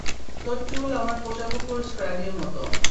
তোর চুল আমার পোষা কুকুর স্ক্র্যাগির মতো।